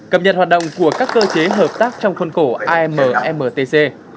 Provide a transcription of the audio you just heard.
cập nhật hoạt động của các cơ chế hợp tác trong khuôn cổ immtc